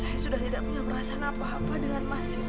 saya sudah tidak punya perasaan apa apa dengan masih